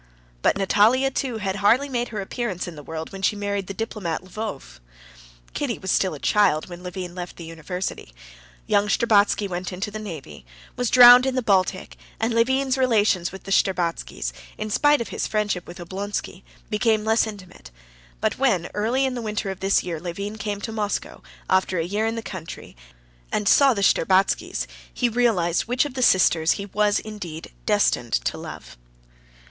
But Natalia, too, had hardly made her appearance in the world when she married the diplomat Lvov. Kitty was still a child when Levin left the university. Young Shtcherbatsky went into the navy, was drowned in the Baltic, and Levin's relations with the Shtcherbatskys, in spite of his friendship with Oblonsky, became less intimate. But when early in the winter of this year Levin came to Moscow, after a year in the country, and saw the Shtcherbatskys, he realized which of the three sisters he was indeed destined to love.